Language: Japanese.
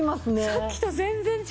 さっきと全然違う。